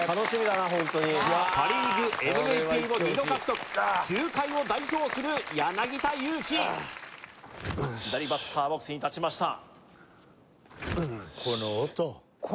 よしパ・リーグＭＶＰも２度獲得球界を代表する柳田悠岐左バッターボックスに立ちました